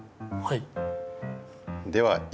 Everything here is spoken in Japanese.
はい。